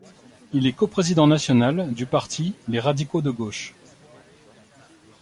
Il est co-président national du parti Les Radicaux de gauche.